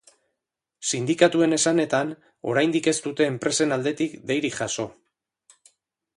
Sindikatuen esanetan, oraindik ez dute enpresen aldetik deirik jaso.